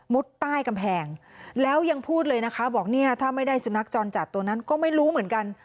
ใต้กำแพงแล้วยังพูดเลยนะคะบอกเนี่ยถ้าไม่ได้สุนัขจรจัดตัวนั้นก็ไม่รู้เหมือนกัน